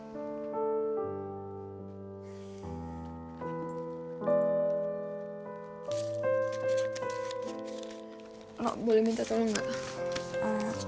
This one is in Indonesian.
mak boleh minta tolong gak